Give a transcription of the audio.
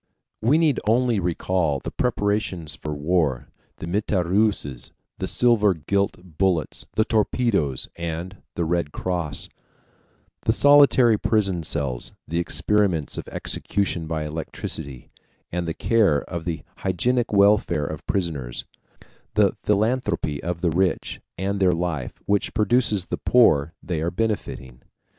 We need only recall the preparations for war, the mitrailleuses, the silver gilt bullets, the torpedoes, and the Red Cross; the solitary prison cells, the experiments of execution by electricity and the care of the hygienic welfare of prisoners; the philanthropy of the rich, and their life, which produces the poor they are benefiting.